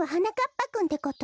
ぱくんってこと？